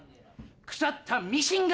腐ったミシンが！